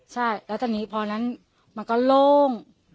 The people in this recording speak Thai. ใช่แล้วตอนนี้พอนั้นมันก็โล่ง